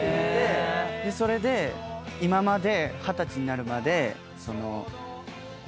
それで今まで。